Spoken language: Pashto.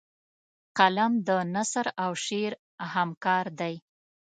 قلم د نثر او شعر همکار دی